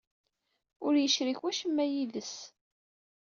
Ur iyi-yecrik wacemma yid-s.